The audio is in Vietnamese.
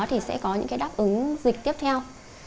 thì sẽ có những đáp ứng dịch tiếp theo